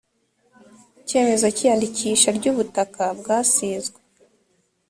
icyemezo cy iyandikisha ry ubutaka bwasizwe